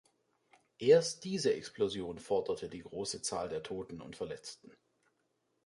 Erst diese Explosion forderte die große Zahl der Toten und Verletzten.